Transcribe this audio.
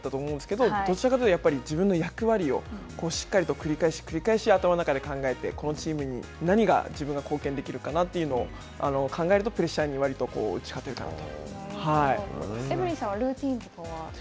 先ほどやらなくちゃいけないことを徹底してやるっておっしゃっていたと思うんですけど、どちらかというと自分の役割をしっかりと繰り返し繰り返し頭の中で考えて、このチームに何が自分が貢献できるかなというのを考えるとプレッシャーに割と打ち勝てるかなと。